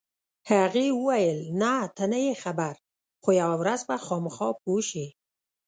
هغې وویل: نه، ته نه یې خبر، خو یوه ورځ به خامخا پوه شې.